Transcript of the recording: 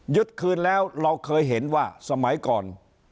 คืนแล้วเราเคยเห็นว่าสมัยก่อน